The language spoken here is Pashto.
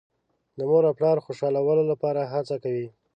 د مور او پلار د خوشحالولو لپاره هڅه کوي.